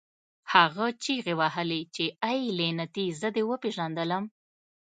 هغه چیغې وهلې چې اې لعنتي زه دې وپېژندلم